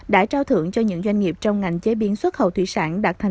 đã trao thưởng cho những doanh nghiệp trong ngành chế biến xuất khẩu thủy sản